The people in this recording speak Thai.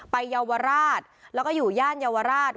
เยาวราชแล้วก็อยู่ย่านเยาวราช